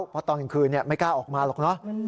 เพราะตอนกลางคืนไม่กล้าออกมาหรอกเนอะ